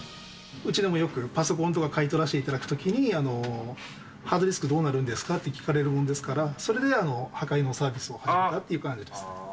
うちでもよくパソコンとか買い取らせていただくときに、ハードディスクどうなるんですかって聞かれるもんですから、それで、破壊のサービスを始めたって感じです。